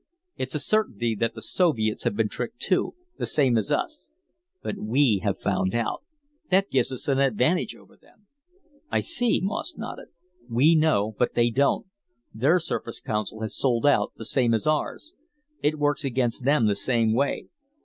"It's a certainty that the Soviets have been tricked, too, the same as us. But we have found out. That gives us an edge over them." "I see." Moss nodded. "We know, but they don't. Their Surface Council has sold out, the same as ours. It works against them the same way.